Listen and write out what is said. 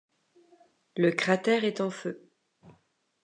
Le cratère est en feu